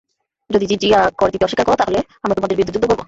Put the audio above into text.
যদি জিযিয়া কর দিতে অস্বীকার কর, তাহলে আমরা তোমাদের বিরূদ্ধে যুদ্ধ করব।